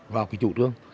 vào cái chủ trương